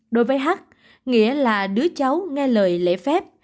đối với h nghĩa là đứa cháu nghe lời lễ phép